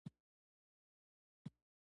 مړی یې د یابو ګانو په پښو کې وغورځاوه.